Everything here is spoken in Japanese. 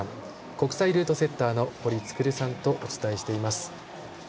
国際ルートセッターの堀創さんとお伝えしています。